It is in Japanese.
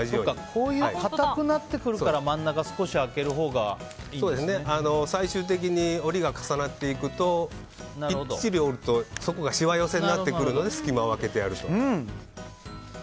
こういう硬くなってくるから真ん中を少し空けるほうが最終的に折りが重なっていくとぴっちり折るとそこがしわ寄せになってくるので隙間を空けてやると。